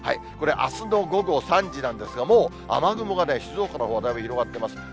これ、あすの午後３時なんですが、もう雨雲が静岡のほうまでだいぶ広がってます。